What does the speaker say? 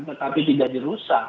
tetapi tidak dirusak